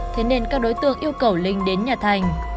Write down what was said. thế nên các đối tượng yêu cầu linh đến nhà thành